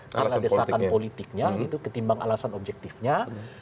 karena desakan politiknya ketimbang alasan objektifnya bisa diminimalisasi